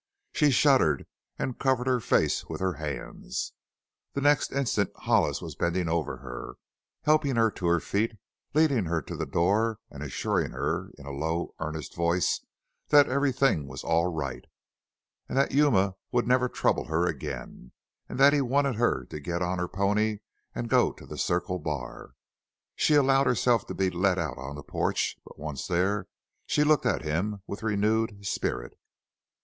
She shuddered and covered her face with her hands. The next instant Hollis was bending over her, helping her to her feet, leading her to the door and assuring her in a low, earnest voice that everything was all right, and that Yuma would never trouble her again, and that he wanted her to get on her pony and go to the Circle Bar. She allowed herself to be led out on the porch, but once there she looked at him with renewed spirit.